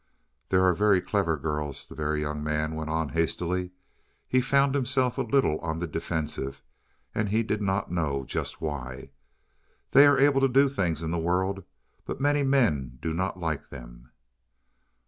"There are very clever girls," the Very Young Man went on hastily; he found himself a little on the defensive, and he did not know just why. "They are able to do things in the world. But many men do not like them."